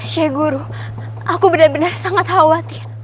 sheikh guru aku benar benar sangat khawatir